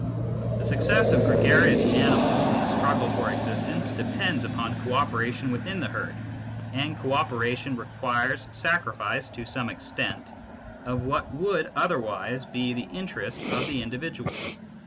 The success of gregarious animals in the struggle for existence depends upon co operation within the herd, and co operation requires sacrifice, to some extent, of what would otherwise be the interest of the individual.